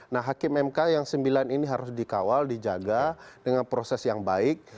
nah hakim mk yang sembilan ini harus dikawal dijaga dengan proses yang baik